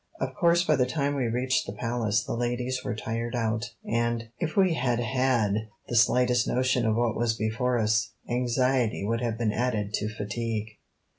Of course by the time we reached the Palace the ladies were tired out, and, if we had had the slightest notion of what was before us, anxiety would have been added to fatigue.